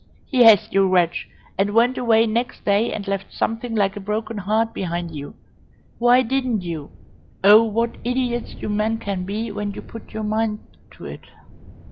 "Yes, you wretch, and went away next day and left something like a broken heart behind you! Why didn't you Oh what idiots you men can be when you put your minds to it!"